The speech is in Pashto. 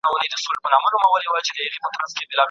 طبیعت ته زیان رسول د خپل ځان زیان دی.